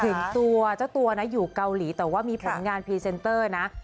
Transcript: ถึงตัวเจ้าตัวนะอยู่เกาหลีแต่ว่ามีผลงานพรีเซนเตอร์นะ